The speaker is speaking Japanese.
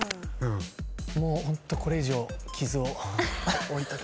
もうホントこれ以上傷を負いたくないな。